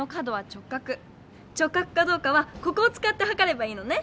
直角かどうかはここをつかってはかればいいのね？